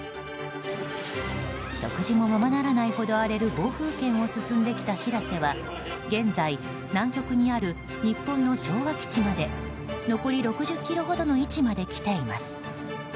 食事もままならないほど荒れる暴風圏を進んできた「しらせ」は現在、南極にある日本の昭和基地まで残り６０ｋｍほどの位置まで来ています。